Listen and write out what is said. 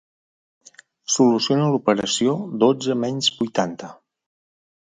Soluciona l'operació dotze menys vuitanta.